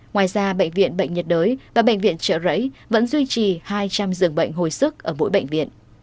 ngoài ra bệnh viện bệnh nhiệt đới và bệnh viện trợ rẫy vẫn duy trì hai trăm linh giường bệnh hồi sức ở mỗi bệnh viện